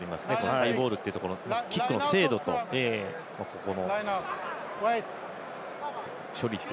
ハイボールというところのキックの精度と、ここの処理